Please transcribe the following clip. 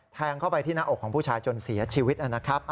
แทงเข้าไปที่หน้าอกของผู้ชายจนเสียชีวิตนะครับ